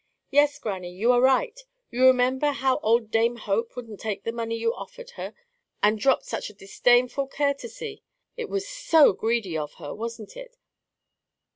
"Yes, grannie, you are right. You remember how old dame Hope wouldn't take the money you offered her, and dropped such a disdainful courtesy. It was SO greedy of her, wasn't it?"